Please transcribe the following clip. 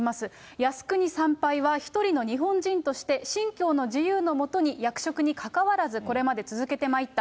靖国参拝は一人の日本人として、信教の自由の下に役職にかかわらず、これまで続けてまいった。